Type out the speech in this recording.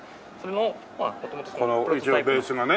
このベースがね。